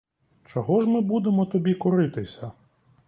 Чого ж ми будемо тобі коритися?